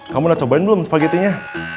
kamu udah cobain belum spaghettinya